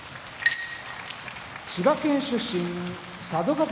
千葉県出身佐渡ヶ